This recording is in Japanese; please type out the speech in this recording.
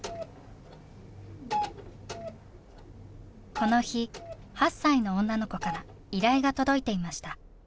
この日８歳の女の子から依頼が届いていました。